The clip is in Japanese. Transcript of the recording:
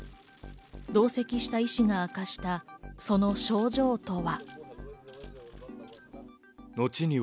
同席した医師が明かしたその症状とは。